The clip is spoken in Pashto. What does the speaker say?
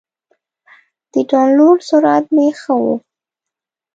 د ډاونلوډ سرعت مې ښه شو.